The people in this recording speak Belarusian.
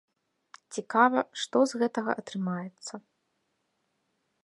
Цікава, што з гэтага атрымаецца.